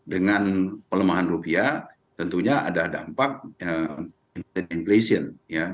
dengan pelemahan rupiah tentunya ada dampak inflation